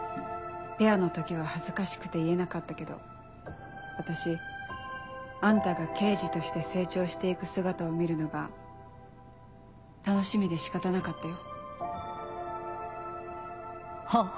ペアの時は恥ずかしくて言えなかったけど私あんたが刑事として成長して行く姿を見るのが楽しみで仕方なかったよ。